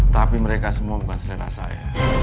tapi mereka semua bukan selena saya